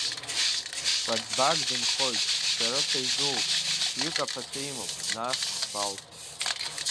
Кәаӡбак дынхоит, дшәарыцаҩ дууп, фҩык аԥацәа имоуп, нас Балҭа…